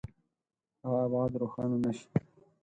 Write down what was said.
دغه ابعاد روښانه نه شي.